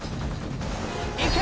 いけ！